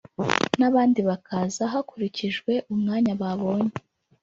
n’abandi bakaza hakurikijwe umwanya babonye